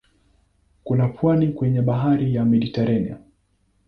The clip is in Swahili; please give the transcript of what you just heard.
Kuna pwani kwenye bahari ya Mediteranea.